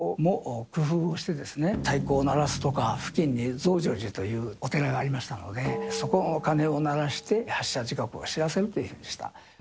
いろいろと鉄道も工夫をしてですね、太鼓を鳴らすとか、付近に増上寺というお寺がありましたので、そこの鐘を鳴らして発車時刻を知らせるというふうにした。